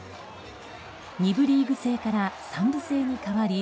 ２部リーグ制から３部制に変わり